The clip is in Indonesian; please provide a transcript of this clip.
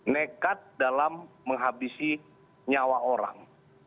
nekat dalam menghabisi nyawa orang